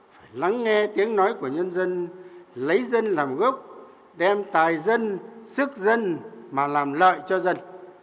phải lắng nghe tiếng nói của nhân dân lấy dân làm gốc đem tài dân sức dân mà làm lợi cho dân